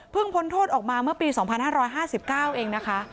พ้นโทษออกมาเมื่อปี๒๕๕๙เองนะคะ